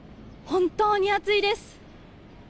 本当に暑いです。